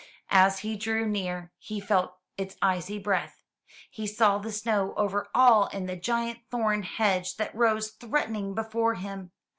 As he drew near he felt its icy breath, he saw the snow over all and the giant thorn hedge that rose threatening before him.